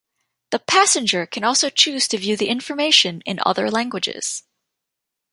The passenger can also choose to view the information in other languages.